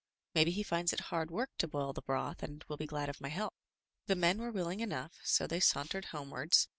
Maybe he finds it hard work to boil the broth, and will be glad of my help.*' The men were willing enough, so they sauntered homewards.